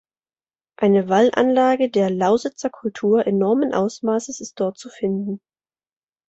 Eine Wallanlage der "Lausitzer Kultur" enormen Ausmaßes ist dort zu finden.